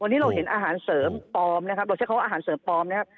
วันนี้เราเห็นอาหารเสริมปลอมนะครับเราใช้คำว่าอาหารเสริมปลอมนะครับ